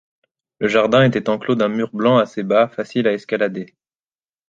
Le jardin était enclos d’un mur blanc assez bas, facile à escalader.